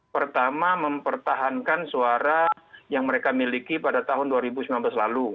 pertama mempertahankan suara yang mereka miliki pada tahun dua ribu sembilan belas lalu